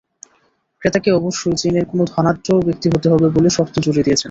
ক্রেতাকে অবশ্যই চীনের কোনো ধনাঢ্য ব্যক্তি হতে হবে বলে শর্ত জুড়ে দিয়েছেন।